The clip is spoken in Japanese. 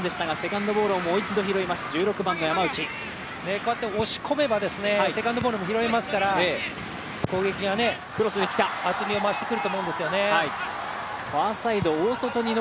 こうやって押し込めばセカンドボールも拾えますから、攻撃が厚みを増してくると思うんですよね。